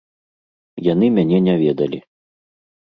Яны мяне не ведалі.